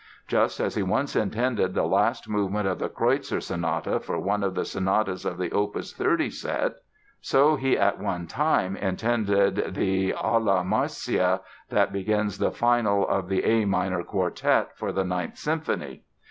Just as he once intended the last movement of the "Kreutzer" Sonata for one of the sonatas of the opus 30 set, so he at one time intended the "Alla Marcia" that begins the finale of the A minor Quartet for the Ninth Symphony.